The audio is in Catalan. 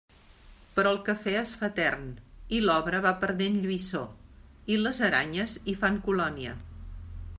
Però el café es fa etern, i l'obra va perdent lluïssor, i les aranyes hi fan colònia.